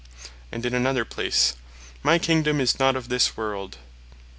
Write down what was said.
and in another place, "My Kingdome is not of this world."